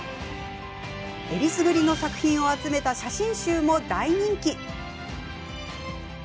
えりすぐりの作品を集めた写真集も大人気。